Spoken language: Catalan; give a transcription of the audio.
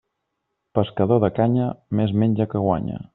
Pescador de canya, més menja que guanya.